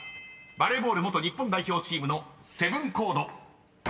バレーボール元日本代表チームのセブンコード］